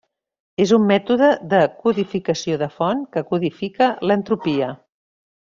És un mètode de codificació de font que codifica l'entropia.